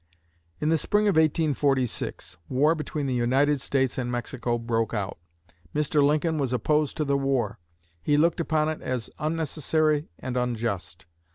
"In the spring of 1846, war between the United States and Mexico broke out. Mr. Lincoln was opposed to the war. He looked upon it as unnecessary and unjust.